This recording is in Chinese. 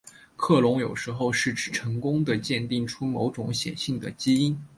克隆有时候是指成功地鉴定出某种显性的基因。